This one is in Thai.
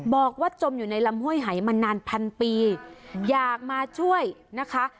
จมอยู่ในลำห้วยหายมานานพันปีอยากมาช่วยนะคะ